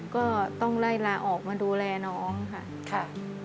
ก็ต้องไล่ลาออกมาดูแลน้องค่ะ